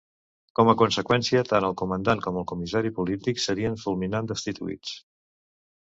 Com a conseqüència, tant el comandant com el comissari polític serien fulminant destituïts.